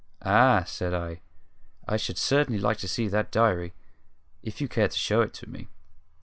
"Ah!" said I. "I should certainly like to see that diary, if you care to show it me.